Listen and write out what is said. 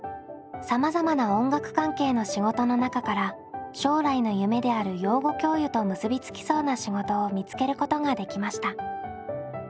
さまざまな音楽関係の仕事の中から将来の夢である養護教諭と結びつきそうな仕事を見つけることができました。